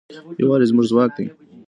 یووالی زموږ ځواک دی.